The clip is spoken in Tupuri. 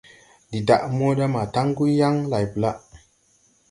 Ndi daʼ mota ma taŋgu yaŋ layblaʼ.